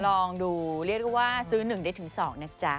ลองดูเรียกก็ว่าซื้อหนึ่งได้ถึงสองนะจ๊ะ